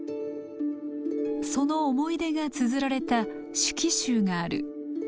その思い出がつづられた手記集がある。